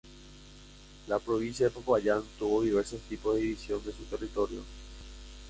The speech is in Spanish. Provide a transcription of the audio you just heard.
La provincia de Popayán tuvo diversos tipos de división de su territorio.